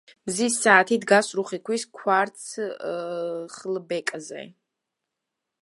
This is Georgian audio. მზის საათი დგას რუხი ქვის კვარცხლბეკზე.